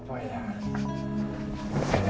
oh gak apa apa ya